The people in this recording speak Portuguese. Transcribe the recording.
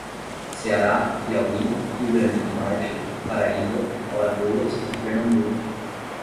Ceará, Piauí, Rio grande do Norte, Paraíba, Alagoas e Pernambuco